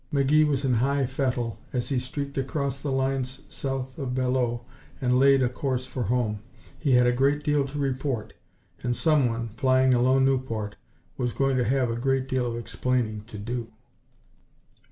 McGee was in high fettle as he streaked across the lines south of Belleau and laid a course for home. He had a great deal to report, and someone, flying a lone Nieuport, was going to have a great deal of explaining to do.